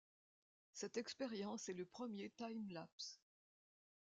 Cette expérience est le premier time-lapse.